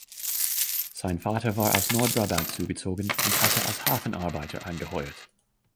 Sein Vater war aus Nordbrabant zugezogen und hatte als Hafenarbeiter angeheuert.